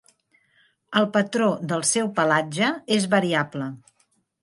El patró del seu pelatge és variable.